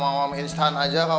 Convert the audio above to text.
biasa mamam instan aja kak omah